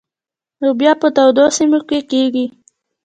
لوبیا په تودو سیمو کې کیږي.